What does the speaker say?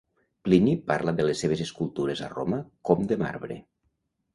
Plini parla de les seves escultures a Roma com de marbre.